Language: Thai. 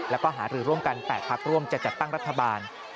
แล้วก็หารือร่วมกัน๘พักร่วมจะจัดตั้งรัฐบาล